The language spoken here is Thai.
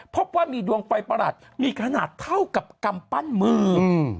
พบว่ามีดวงไฟประหลาดมีขนาดเท่ากับกำปั้นมือ